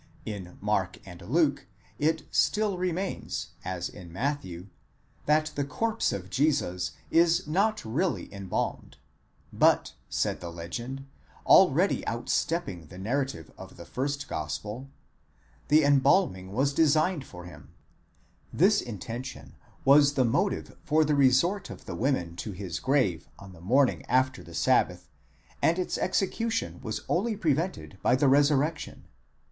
In Mark and Luke it still remains, as in Matthew, that the corpse of Jesus is not really embalmed: but, said the legend, already outstepping the narrative of the first gospel, the embalming was designed for him,—this intention was the motive for the resort of the women to his grave on the morning after the sabbath, and its execution was only prevented by the resurrection.